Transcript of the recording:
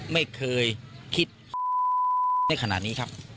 ไม่เคยคิดในขณะนี้ครับ